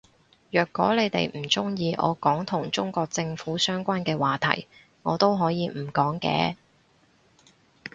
若果你哋唔鍾意我講同中國政府相關嘅話題我都可以唔講嘅